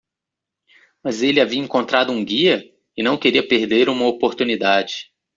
Mas ele havia encontrado um guia? e não queria perder uma oportunidade.